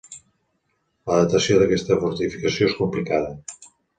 La datació d'aquesta fortificació és complicada.